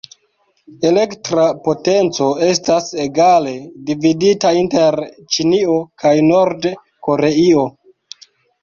Elektra potenco estas egale dividita inter Ĉinio kaj Nord-Koreio.